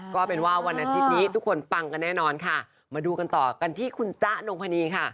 ก็เป็นว่าวันอาทิตย์นี้ทุกคนปังกันแน่นอนค่ะมาดูกันต่อกันที่คุณจ๊ะนงพนีค่ะ